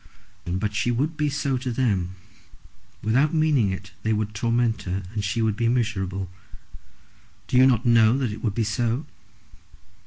"But she would be so to them. Without meaning it they would torment her, and she would be miserable. Do you not know that it would be so?"